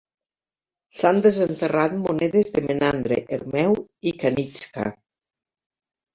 S'han desenterrat monedes de Menandre, Hermeu i Kanixka.